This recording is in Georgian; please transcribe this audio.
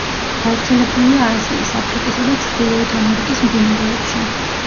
გავრცელებულია აზიის, აფრიკისა და ჩრდილოეთ ამერიკის მდინარეებში.